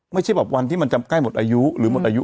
ไม่ใช่แบบวันที่มันจะใกล้หมดอายุ